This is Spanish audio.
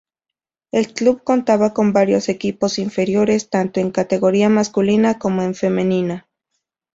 El club contaba con varios equipos inferiores tanto en categoría masculina como en femenina.